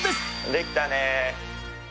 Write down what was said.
できたね。